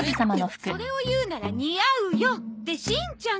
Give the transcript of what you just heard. それを言うなら「似合う」よ。ってしんちゃん。